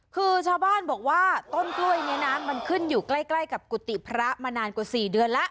คือชาวบ้านบอกว่าต้นกล้วยนี้นะมันขึ้นอยู่ใกล้กับกุฏิพระมานานกว่า๔เดือนแล้ว